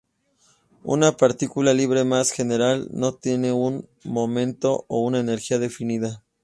Una partícula libre más general no tiene un momento o una energía definida.